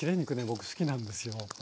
僕好きなんですよ。